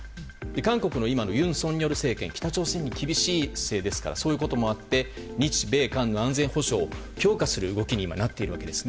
韓国の今の尹錫悦政権は北朝鮮に厳しい姿勢ですからそれもあって日米韓の安全保障強化する動きになっています。